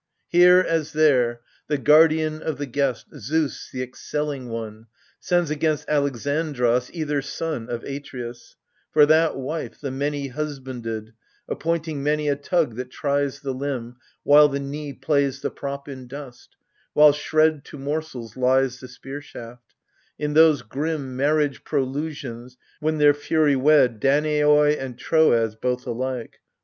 Here as there, The Guardian of the Guest, Zeus, the excelling one, Sends against Alexandres either son Of Atreus : for that wife, the many husbanded, Appointing many a tug that tries the limb, While the knee plays the prop in dust, while, shred To morsels, lies the spear shaft \ in those grim Marriage prolusions when their Fury wed Danaoi and Troes, both alike.